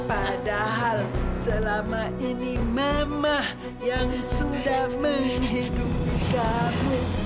padahal selama ini mama yang sudah menghidupi kamu